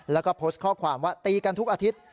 แล้วก็โพสต์ข้อความว่าตีกันทุกอาทิตย์